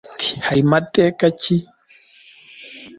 bati “hari amateka ki “,